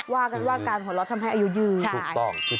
ว่าการของเราทำให้อายุยืน